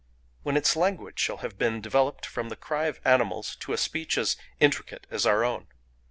—when its language shall have been developed from the cry of animals to a speech as intricate as our own?